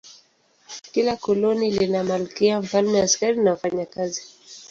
Kila koloni lina malkia, mfalme, askari na wafanyakazi.